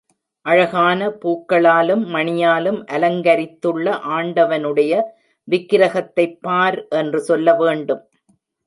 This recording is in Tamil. அழகழகான பூக்களாலும், மணியாலும் அலங்கரித்துள்ள ஆண்டவனுடைய விக்கிரகத்தைப் பார் என்று சொல்ல வேண்டும்.